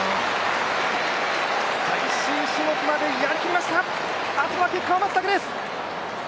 最終種目までやりきりました、あとは結果を待つだけです。